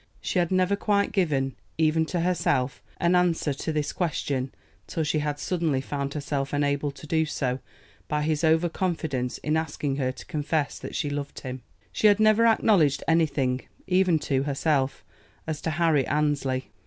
She had never quite given even to herself an answer to this question till she had suddenly found herself enabled to do so by his over confidence in asking her to confess that she loved him. She had never acknowledged anything, even to herself, as to Harry Annesley.